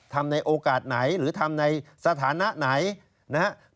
ทำในโอกาสไหนหรือทำในสถานะไหนนะฮะ